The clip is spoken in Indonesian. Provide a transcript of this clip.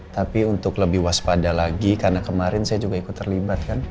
tapi untuk lebih waspada lagi karena kemarin saya juga ikut terlibat kan